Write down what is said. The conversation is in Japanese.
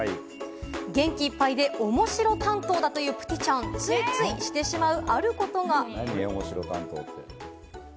元気いっぱいで面白担当だというプティちゃんは、ついついしてしまうあることが。